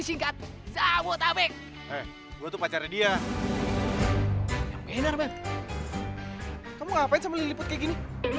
yalah udah gak usah ngapusi